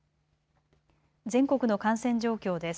全国の感染状況です。